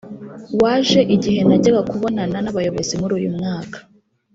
Waje igihe najyaga kubonana n’abayobozi muri uyu mwaka